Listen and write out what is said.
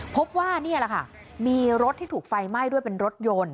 พบว่านี่แหละค่ะมีรถที่ถูกไฟไหม้ด้วยเป็นรถยนต์